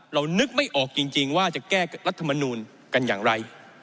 นึกไม่ออกจริงว่าจะแก้รัฐมนูลกันอย่างไร